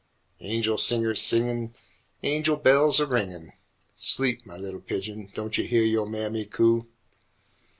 Angel singers singin', Angel bells a ringin', Sleep, mah li'l pigeon, don' yo' heah yo' mammy coo?